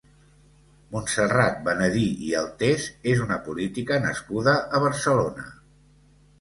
Montserrat Benedí i Altés és una política nascuda a Barcelona.